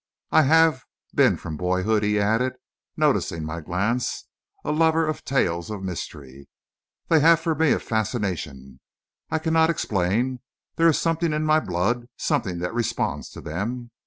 "I have been from boyhood," he added, noticing my glance, "a lover of tales of mystery. They have for me a fascination I cannot explain; there is in my blood something that responds to them.